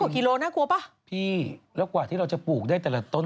กิโลน่ากลัวป่ะพี่แล้วกว่าที่เราจะปลูกได้แต่ละต้น